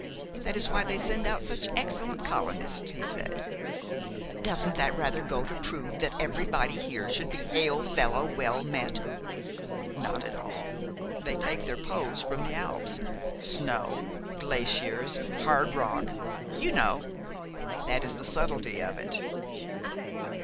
That is why you send out such excellent colonists," he said. "Doesn't that go rather to prove that everybody here should be hail fellow well met?" "Not at all. They take their pose from the Alps, snow, glaciers, hard rock, you know, that is the subtlety of it."